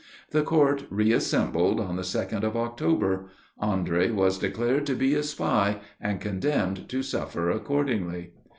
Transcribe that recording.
The court reassembled on the second of October. Andre was declared to be a spy, and condemned to suffer accordingly.